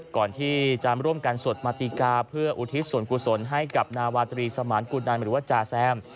ก่อนที่จะร่วมกันสวดมาติกาเพื่ออุทิศส่วนกุศลให้กับนาวาตรีสมานกุนันหรือว่าจาแซม